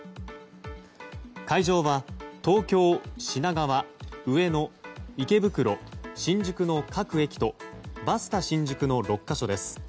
会場は東京、品川、上野、池袋新宿の各駅とバスタ新宿の６か所です。